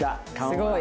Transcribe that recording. すごい！